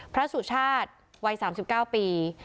สุชาติวัย๓๙ปี